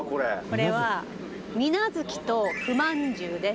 「これはみな月とふまんじゅうです」